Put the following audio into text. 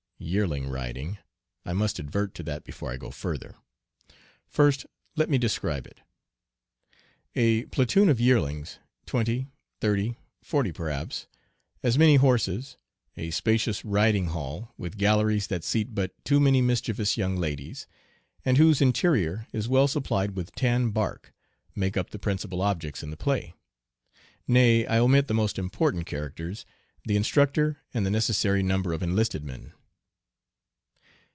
"Yearling riding!" I must advert to that before I go further. First let me describe it. A platoon of yearlings, twenty, thirty, forty perhaps; as many horses; a spacious riding hall, with galleries that seat but too many mischievous young ladies, and whose interior is well supplied with tan bark, make up the principal objects in the play. Nay, I omit the most important characters, the Instructor and the necessary number of enlisted, men.